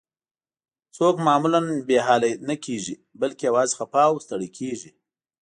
څوک معمولاً بې حاله نه کیږي، بلکې یوازې خفه او ستړي کیږي.